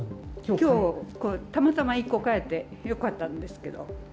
きょう、またまた１個買えて、よかったんですけど。